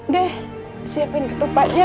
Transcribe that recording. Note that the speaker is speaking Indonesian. deh siapin ketupatnya